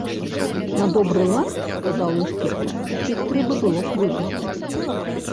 На добры лад, казаў інспектар, усіх трэба было б выпусціць.